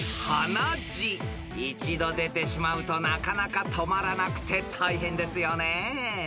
［一度出てしまうとなかなか止まらなくて大変ですよね］